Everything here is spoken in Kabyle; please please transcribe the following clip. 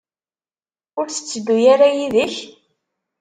Ur tetteddu ara yid-k?